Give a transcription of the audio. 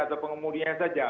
atau pengemudinya saja